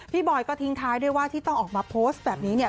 บอยก็ทิ้งท้ายด้วยว่าที่ต้องออกมาโพสต์แบบนี้เนี่ย